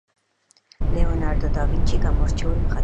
ლეონარდო და ვინჩი გამორჩეული მხატვარი იყო